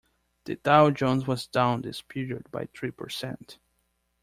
The Dow Jones was down this period by three percent.